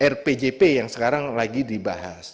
rpjp yang sekarang lagi dibahas